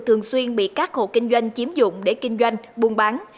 thường xuyên bị các hộ kinh doanh chiếm dụng để kinh doanh buôn bán